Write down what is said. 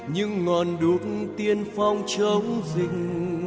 những ngọn đuốc tiên phong trống rình